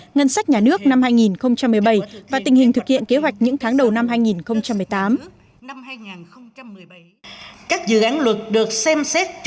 ngân sách nhà nước năm hai nghìn một mươi bảy và tình hình thực hiện kế hoạch những tháng đầu năm hai nghìn một mươi tám